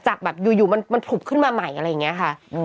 จากแบบอยู่มันผลุบขึ้นมาใหม่อะไรอย่างนี้ค่ะ